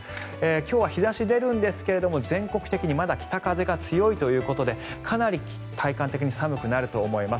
今日は日差しが出るんですが全国的にまだ北風が強いということでかなり体感的に寒くなると思います。